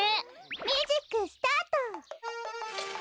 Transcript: ミュージックスタート！